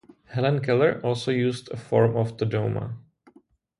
Helen Keller also used a form of Tadoma.